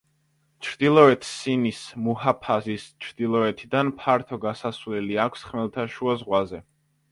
ჩრდილოეთ სინის მუჰაფაზის ჩრდილოეთიდან ფართო გასასვლელი აქვს ხმელთაშუა ზღვაზე.